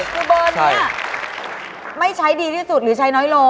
คือเบอร์นี้ไม่ใช้ดีที่สุดหรือใช้น้อยลง